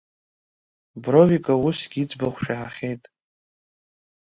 Бровиков усгьы иӡбахә шәахахьеит…